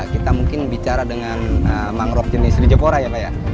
kita mungkin bicara dengan mangrove jenis rijokora ya pak ya